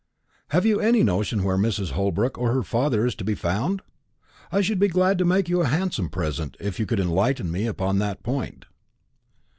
"Have you any notion where Mrs. Holbrook or her father is to be found? I should be glad to make you a handsome present if you could enlighten me upon that point."